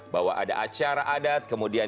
bahwa ada acara adat kemudian